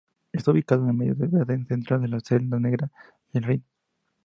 Está ubicado en medio de Baden Central entre la Selva Negra y el Rin.